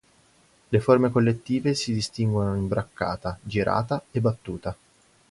Le forme collettive si distinguono in braccata, girata e battuta.